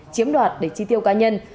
chiếm đoạt để chi tiêu cá nhân